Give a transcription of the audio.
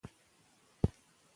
ځينې ژباړې ټکي په ټکي کېږي.